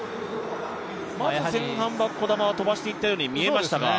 前半は児玉は飛ばしていたように見えましたが。